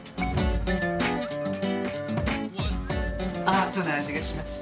アートなあじがします。